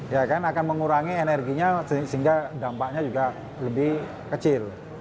ya kan akan mengurangi energinya sehingga dampaknya juga lebih kecil